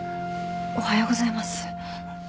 おはようございます。